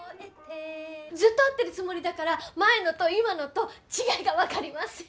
ずっと合ってるつもりだから前のと今のと違いが分かりません。